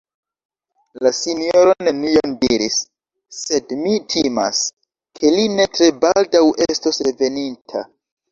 La Sinjoro nenion diris, sed mi timas, ke li ne tre baldaŭ estos reveninta.